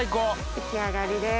出来上がりです。